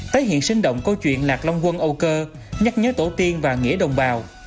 tái hiện sinh động câu chuyện lạc long quân âu cơ nhắc nhớ tổ tiên và nghĩa đồng bào